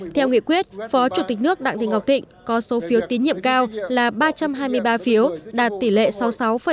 theo nghị quyết phó chủ tịch nước đặng thị ngọc thịnh có số phiếu tín nhiệm cao là ba trăm hai mươi ba phiếu đạt tỷ lệ sáu mươi sáu năm